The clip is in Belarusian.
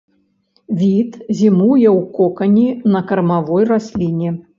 Від зімуе ў кокане на кармавой расліне.